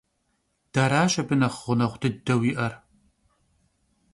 Дэращ абы нэхъ гъунэгъу дыдэу иӀэр.